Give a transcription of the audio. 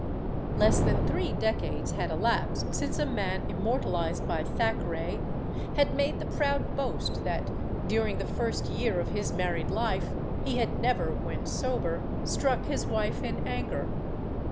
Less than three decades had elapsed since a man im mortalized by Thackeray had made the proud boast that, during the first year of his married life, he had never, when sober, struck his wife in anger.